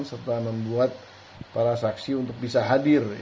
serta membuat para saksi untuk bisa hadir